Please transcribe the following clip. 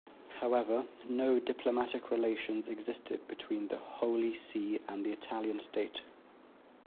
However, no diplomatic relations existed between the Holy See and the Italian state.